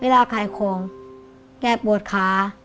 เวลาขายของยายปวดค้า